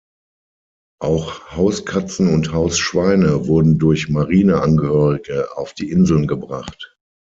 Auch Hauskatzen und Hausschweine wurden durch Marineangehörige auf die Inseln gebracht.